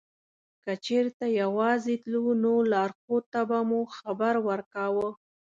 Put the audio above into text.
که چېرته یوازې تلو نو لارښود ته به مو خبر ورکاوه.